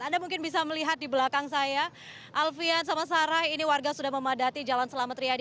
anda mungkin bisa melihat di belakang saya alfian sama sarah ini warga sudah memadati jalan selamat riyadi